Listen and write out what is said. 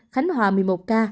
khánh hòa một mươi một ca